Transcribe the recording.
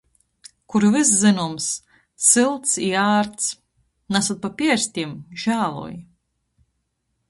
Kur vyss zynoms, sylts i ārts. Nasyt pa pierstim, žāloj.